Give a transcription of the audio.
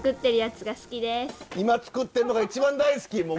今作ってるのが一番大好き。